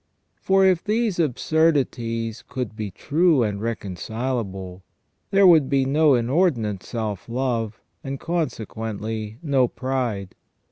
125 For if these absurdities could be true and reconcilable, there would be no inordinate self love, and, consequently, no pride.